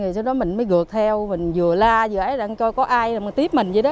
sau đó mình mới gượt theo mình vừa la vừa ấy đang coi có ai tiếp mình vậy đó